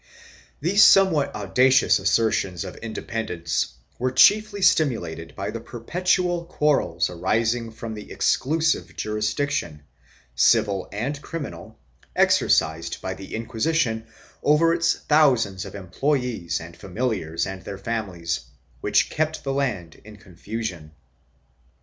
1 These somewhat audacious assertions of independence were chiefly stimulated by the perpetual quarrels arising from the exclusive jurisdiction, civil and criminal, exercised by the Inqui sition over its thousands of employees and familiars and their families, which kept the land in confusion.